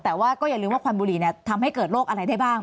แต่ว่าก็อย่าลืมว่าควันบุหรี่ทำให้เกิดโรคอะไรได้บ้าง